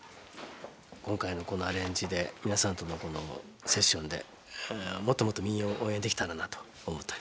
今回のこのアレンジで皆さんとのセッションでもっともっと民謡応援できたらなと思っております。